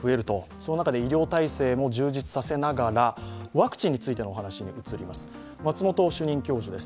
その中で医療体制も充実させながらワクチンについてのお話です。